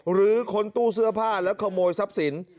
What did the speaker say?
หรือค้นตู้เสื้อผ้าแล้วขโมยทรัพย์สิน